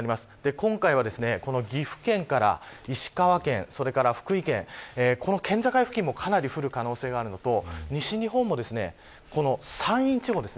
今回は岐阜県から石川県それから福井県県境付近もかなり降る可能性があるのと西日本も山陰地方です